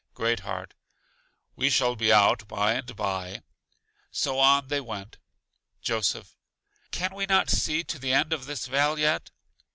Great heart: We shall be out by and by. So on they went. Joseph: Can we not see to the end of this vale yet?